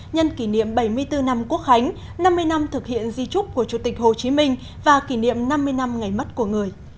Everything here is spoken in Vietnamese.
nhân kỷ niệm bảy mươi bốn năm quốc khánh năm mươi năm thực hiện di trúc của chủ tịch hồ chí minh và kỷ niệm năm mươi năm ngày mất của người